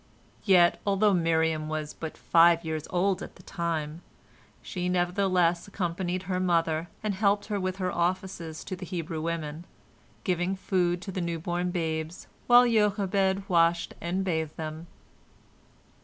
Yet, although Miriam was but five years old at the time, she nevertheless accompanied her mother, and helped her with her offices to the Hebrew women, giving food to the new born babes while Jochebed washed and bathed them.